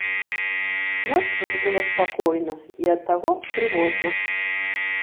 Ноччу ж было спакойна і ад таго трывожна.